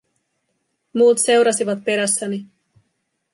Muut seurasivat perässäni.